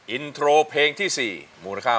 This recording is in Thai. อินโทรเพลงที่๔มูลค่า๖๐๐๐๐บาท